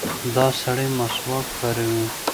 دا سړی مسواک کاروي.